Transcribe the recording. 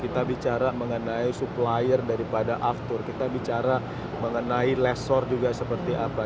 kita bicara mengenai supplier daripada aftur kita bicara mengenai lessor juga seperti apa